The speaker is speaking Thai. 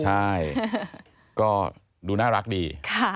ใช่ก็ดูน่ารักดี